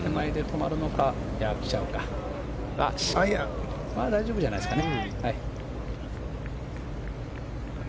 まあ大丈夫じゃないですかね。